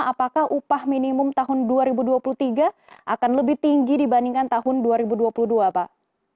apakah upah minimum tahun dua ribu dua puluh tiga akan lebih tinggi dibandingkan tahun dua ribu dua puluh dua pak